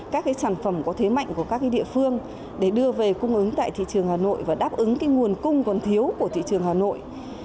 các sản phẩm có thế mạnh của các địa phương để đưa về cung ứng tại thị trường hà nội và đáp ứng nguồn cung còn thiếu của thị trường hà nội